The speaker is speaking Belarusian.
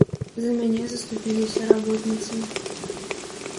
За мяне заступіліся работніцы.